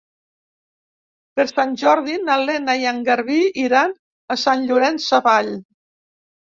Per Sant Jordi na Lena i en Garbí iran a Sant Llorenç Savall.